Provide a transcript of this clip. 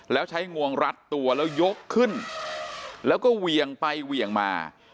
แล้วใช้งวงรัดตัวแล้วยกขึ้นแล้วก็เวียงไปเหวี่ยงมา